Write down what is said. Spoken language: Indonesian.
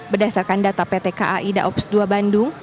berdasarkan data pt kai daops dua bandung